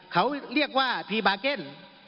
เขาเรียกว่าพีบาร์เก็น